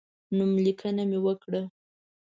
نوملیکنه مې وکړه.